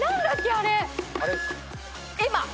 あれ。